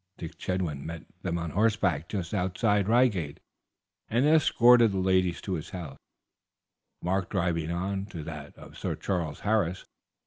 Dick Chetwynd met them on horseback just outside Reigate, and escorted the ladies to his house, Mark driving on to that of Sir Charles Harris.